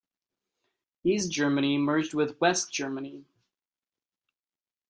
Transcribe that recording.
East Germany merged with West Germany.